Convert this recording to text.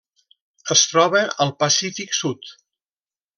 Es troba al Pacífic sud.